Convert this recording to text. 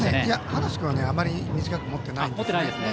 端無君はあまり短く持ってないんですね。